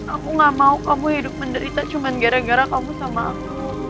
aku gak mau kamu hidup menderita cuma gara gara kamu sama aku